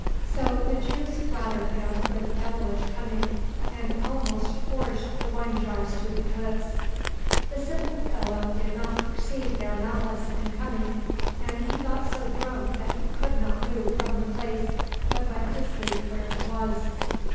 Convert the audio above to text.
So the Jews flattered him with devilish cunning, and almost forced the wine jars to his lips. The simple fellow did not perceive their malice and cunning, and he got so drunk that he could not move from the place, but went to sleep where he was.